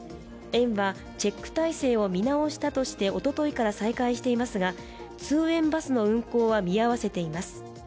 園はチェック体制を見直したとしておとといから再開していますが通園バスの運行は見合わせています。